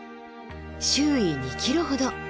周囲２ｋｍほど。